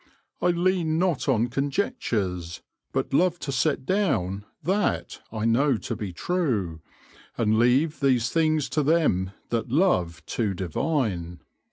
I leane not on conjectures, but love to set down that I know to be true, and leave these things to them that love to divine."